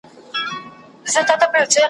په ارمان د پسرلي یو له خزانه تر خزانه `